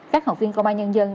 các học viên công an nhân dân